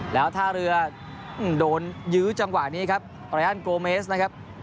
แล้วท่าเรือโดนยื้อจังหวะนี้ครับอรอันโกเมสนะครับ